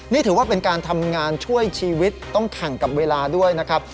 นี่ถือว่าเป็นการทำงานช่วยชีวิตต้องแข่งกับเวลาด้วยนะครับ